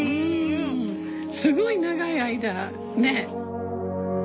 うんすごい長い間ね。